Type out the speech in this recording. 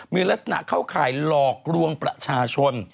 มีลักษณะเข้าข่ายหลอกลวงประชาชน